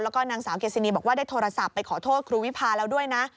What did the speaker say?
แล้วก็นางสาวเกซินีบอกว่าได้โทรศัพท์ไปขอโทษครูวิพาแล้วด้วยนะ